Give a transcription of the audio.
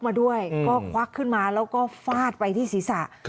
มาด้วยก็ควักขึ้นมาแล้วก็ฟาดไปที่ศีรษะ